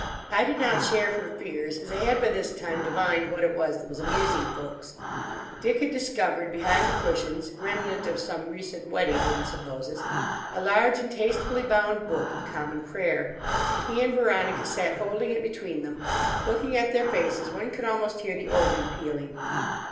I did not share her fears, as I had by this time divined what it was that was amusing folks. Dick had discovered behind the cushions—remnant of some recent wedding, one supposes—a large and tastefully bound Book of Common Prayer. He and Veronica sat holding it between them. Looking at their faces one could almost hear the organ pealing.